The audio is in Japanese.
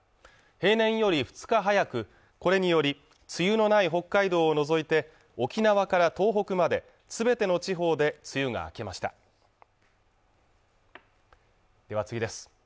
平年より２日早くこれにより梅雨のない北海道を除いて沖縄から東北まで全ての地方で梅雨が明けましたでは次です